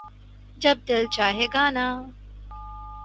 جب دل چاھے گانا